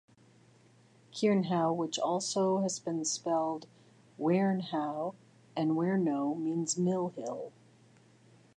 Quernhow, which has also been spelled Whernhowe and Whernou means mill-hill.